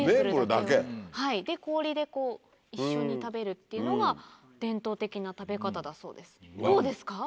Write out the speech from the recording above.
はい氷で一緒に食べるっていうのが伝統的な食べ方だそうですどうですか？